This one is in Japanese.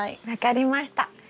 分かりました。